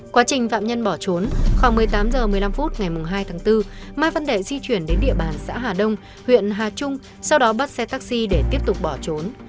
quá trình phạm nhân bỏ trốn khoảng một mươi tám h một mươi năm phút ngày hai tháng bốn mai văn đệ di chuyển đến địa bàn xã hà đông huyện hà trung sau đó bắt xe taxi để tiếp tục bỏ trốn